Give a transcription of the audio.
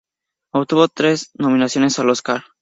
Obtuvo tres nominaciones al Óscar.